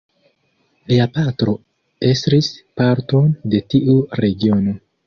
Lia patro estris parton de tiu regiono.